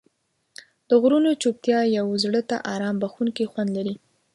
د غرونو چوپتیا یو زړه ته آرام بښونکی خوند لري.